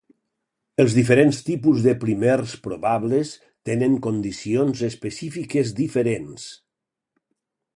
Els diferents tipus de primers probables tenen condicions específiques diferents.